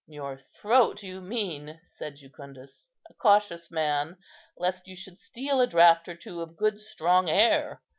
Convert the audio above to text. "Your throat, you mean," said Jucundus; "a cautious man! lest you should steal a draught or two of good strong air."